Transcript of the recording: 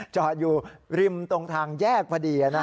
จอดอยู่ริมตรงทางแยกพอดี